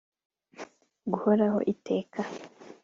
guhoraho iteka